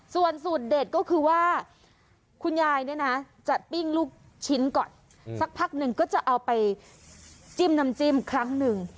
ส่วนสูตรเด็ดก็คือว่าคุณยายเนี่ยนะจะปิ้งลูกชิ้นก่อนสักพักหนึ่งก็จะเอาไปจิ้มน้ำจิ้มครั้งหนึ่ง